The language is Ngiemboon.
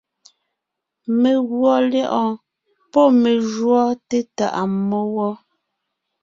Meguɔ lyɛ̌ʼɔɔn pɔ́ me júɔ té tàʼa mmó wɔ.